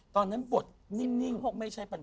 ตอนนั้นบทนิ่งไม่ใช่ปัญหา